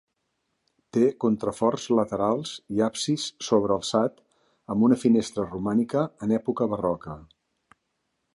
Té contraforts laterals i absis sobrealçat, amb una finestra romànica, en època barroca.